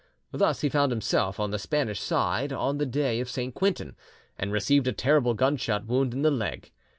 Thus he found himself on the Spanish side on the day of St. Quentin, and received a terrible gun shot wound in the leg.